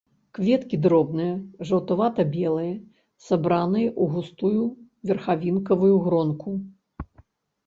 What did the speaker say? Кветкі дробныя, жаўтавата-белыя, сабраныя ў густую верхавінкавую гронку.